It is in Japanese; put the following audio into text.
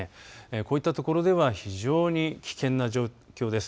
こういったところでは非常に危険な状況です。